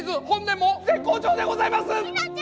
本年も絶好調でございます！